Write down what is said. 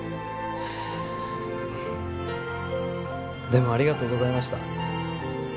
でもありがとうございました。